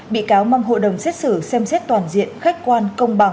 bị cáo mong hội đồng xét xử xem xét toàn diện khách quan công bằng